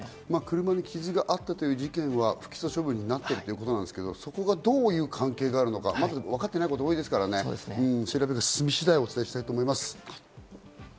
車に傷があった事件は不起訴処分だということですが、どういう関係があるのかまだわかってないこと多いですからね、調べが進み次第、お伝えしたいと思います。